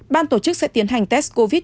ban tổ chức sẽ tiến hành test covid